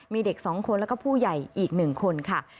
มีเด็ก๒คนแล้วก็ผู้ใหญ่อีก๑คนค่ะ